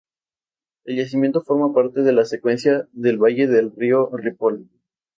El yacimiento forma parte de la secuencia del valle del río Ripoll.